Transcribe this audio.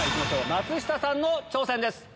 松下さんの挑戦です。